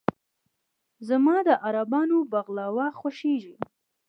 زما د عربانو "بغلاوه" خوښېږي.